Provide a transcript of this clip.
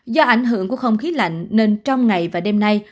do ảnh hưởng của không khí lạnh nên trong ngày và đêm nay